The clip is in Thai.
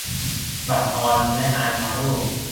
บลัชออน และอายแชโดว์